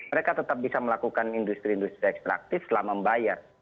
mereka tetap bisa melakukan industri industri ekstraktif selama membayar